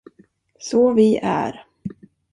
Så vi är.